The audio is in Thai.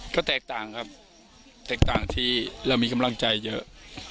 ก็แตกต่างครับแตกต่างที่เรามีกำลังใจเยอะ